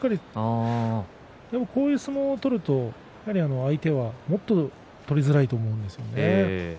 こういう相撲を取ると相手はもっと取りづらいと思うんですよね。